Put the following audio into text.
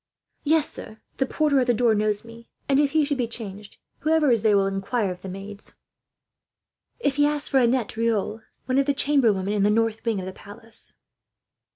"Yes, sir. The porter at the door knows me; and if he should be changed, whoever is there will inquire of the maids, if he asks for Annette Riolt, one of the chamber women in the north wing of the palace."